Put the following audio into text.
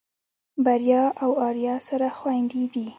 بريا او آريا سره خويندې دي.